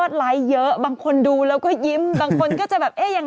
จริงไม่รู้จริง